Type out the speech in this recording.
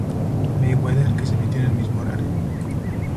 Mayweather, que se emitió en el mismo horario.